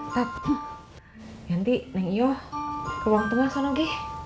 tat nanti neng iyo ke ruang tengah sana geh